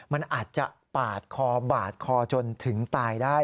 มันอาจจะปาดคอบาดคอจนถึงตายได้